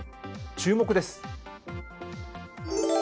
注目です。